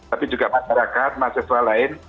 tapi juga masyarakat mahasiswa lain